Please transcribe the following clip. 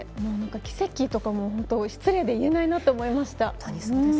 奇跡とか失礼で言えないなと思いました。